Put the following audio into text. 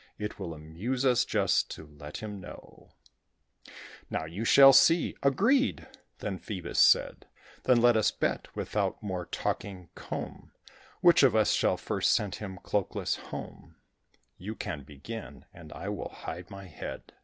It will amuse us just to let him know; Now, you shall see." "Agreed," then Phœbus said; "Then let us bet, without more talking, come, Which of us first shall send him cloakless home: You can begin, and I will hide my head."